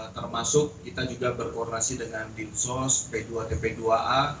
termasuk kita juga berkoordinasi dengan dinsos p dua tp dua a